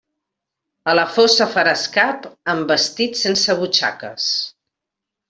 A la fossa faràs cap en vestit sense butxaques.